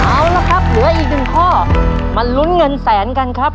เอาละครับเหลืออีกหนึ่งข้อมาลุ้นเงินแสนกันครับ